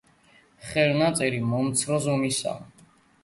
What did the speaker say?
ხელნაწერი მომცრო ზომისაა.